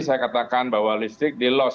saya katakan bahwa listrik di loss